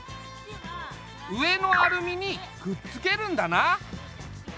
上のアルミにくっつけるんだな。